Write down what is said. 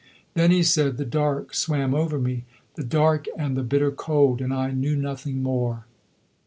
"Then," he said, "the dark swam over me, the dark and the bitter cold, and I knew nothing more."